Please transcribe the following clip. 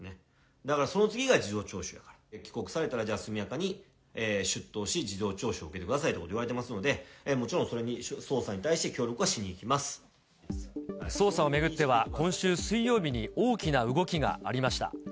だからその次が事情聴取やから、帰国されたら、じゃあ速やかに出頭し、事情聴取を受けてくださいということを言われてますので、もちろん、それに、捜査を巡っては、今週水曜日に大きな動きがありました。